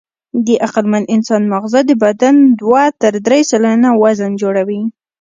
د عقلمن انسان ماغزه د بدن دوه تر درې سلنه وزن جوړوي.